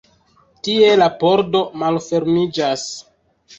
Tie la pordo malfermiĝas.